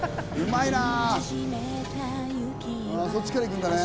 そっちからいくんだね。